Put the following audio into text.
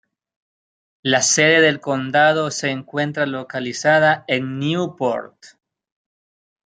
La sede del condado se encuentra localizada en Newport.